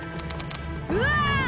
うわ！